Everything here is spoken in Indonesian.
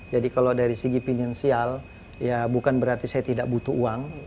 jadi kalau dari segi finansial bukan berarti saya tidak butuh uang